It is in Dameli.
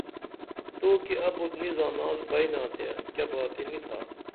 تو کی ابُت نی زانال بئنا تے کیہ باتی نی تھا